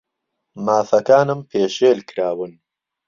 مافەکانم پێشێل کراون.